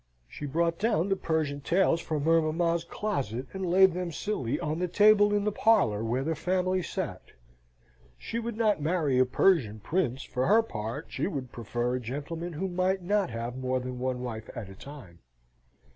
She brought down the Persian Tales from her mamma's closet, and laid them slily on the table in the parlour where the family sate. She would not marry a Persian prince for her part; she would prefer a gentleman who might not have more than one wife at a time.